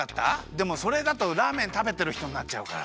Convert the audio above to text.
でもそれだとラーメンたべてるひとになっちゃうから。